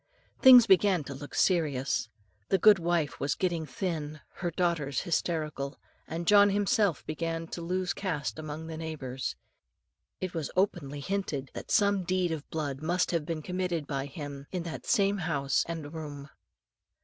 Things began to look serious. The goodwife was getting thin, her daughters hysterical, and John himself began to lose caste among the neighbours. It was openly hinted, that some deed of blood must have been committed by him, in that same house and room.